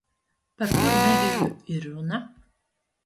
Par kuru Megiju ir runa?